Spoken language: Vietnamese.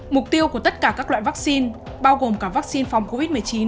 mục tiêu của tất cả các loại vắc xin bao gồm cả vắc xin phòng covid một mươi chín